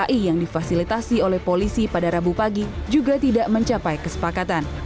kai yang difasilitasi oleh polisi pada rabu pagi juga tidak mencapai kesepakatan